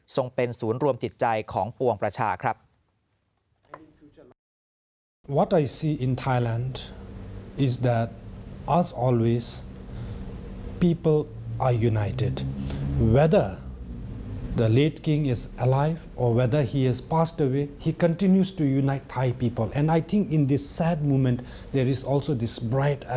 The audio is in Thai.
ส่งเป็นศูนย์รวมจิตใจของปวงประชาครับ